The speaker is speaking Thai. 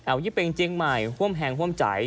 เอายี่เป็งชิงใหม่ฮ่วมแหงฮ่วมใจ